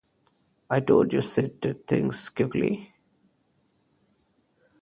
I told you Sid did things quickly!